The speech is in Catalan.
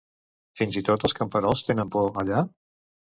Fins i tot els camperols tenen por allà?